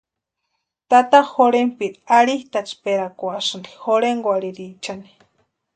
Tata jorhentpiri arhitʼatsperakwasïnti jorhenkwarhiriichani.